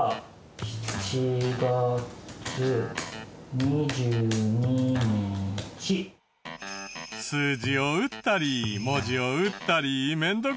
数字を打ったり文字を打ったり面倒くさい。